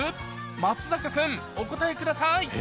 松坂君お答えください